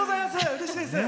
うれしいです。